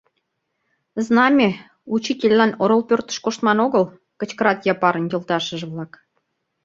— Знаме, учительлан орол пӧртыш коштман огыл! — кычкырат Япарын йолташыже-влак.